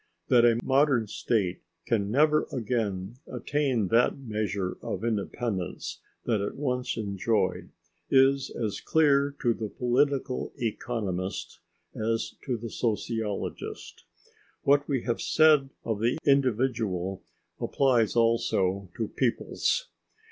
That a modern state can never again attain that measure of independence that it once enjoyed is as clear to the political economist as to the sociologist. What we have said of the individual applies also to peoples.